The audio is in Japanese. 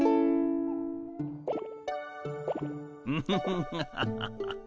フフフハハハハ。